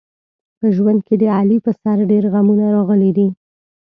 په ژوند کې د علي په سر ډېر غمونه راغلي دي.